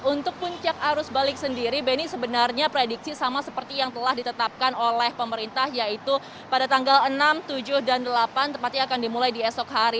untuk puncak arus balik sendiri benny sebenarnya prediksi sama seperti yang telah ditetapkan oleh pemerintah yaitu pada tanggal enam tujuh dan delapan tepatnya akan dimulai di esok hari